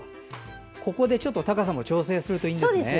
ここでちょっと高さも調整するといいですね。